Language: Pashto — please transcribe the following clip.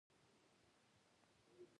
د هغه خبرې مې هېڅ نه هېرېږي.